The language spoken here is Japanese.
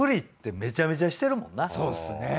そうですね。